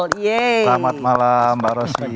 selamat malam mbak rosmi